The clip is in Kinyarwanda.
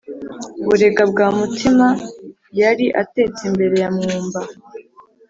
Burega bwa Mutima , Yari atetse imbere ya Mwumba